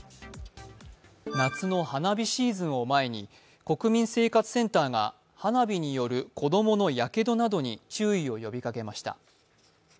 夏の花火シーズンを前に国民生活センターが花火による、子供のやけどなどに注意を呼びかけました。